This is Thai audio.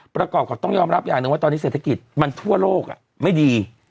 ประกอบกับต้องยอมรับอย่างหนึ่งว่าตอนนี้เศรษฐกิจมันทั่วโลกไม่ดี